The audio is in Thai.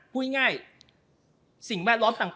พูดง่ายสิ่งแวดล้อมต่าง